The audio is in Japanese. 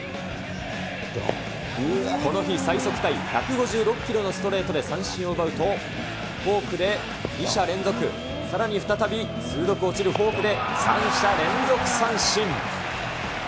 この日最速タイ、１５６キロのストレートで三振を奪うと、フォークで２者連続、さらに再び鋭く落ちるフォークで３者連続三振。